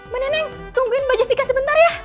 mbak neneng tungguin mbak jessica sebentar ya